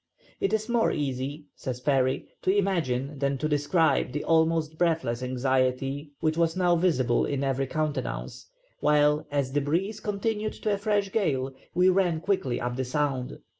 "It is more easy," says Parry, "to imagine than to describe the almost breathless anxiety which was now visible in every countenance, while, as the breeze continued to a fresh gale, we ran quickly up the sound.